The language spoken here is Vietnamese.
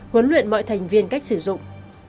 huấn luyện mọi thành viên cách sử dụng